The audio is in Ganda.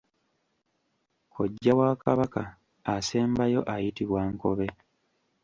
Kojja w’aKabaka asembayo ayitibwa Nkobe.